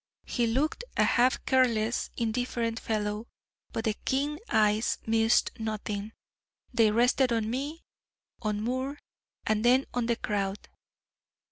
He looked a half careless, indifferent fellow, but the keen eyes missed nothing; they rested on me, on Moore and then on the crowd.